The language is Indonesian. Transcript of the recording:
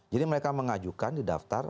jadi mereka mengajukan di daftar